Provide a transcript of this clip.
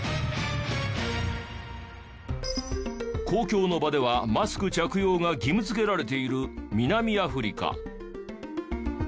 公共の場ではマスク着用が義務づけられている南アフリカ。